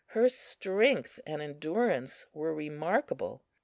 Her strength and endurance were remarkable.